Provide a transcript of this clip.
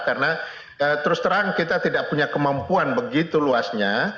karena terus terang kita tidak punya kemampuan begitu luasnya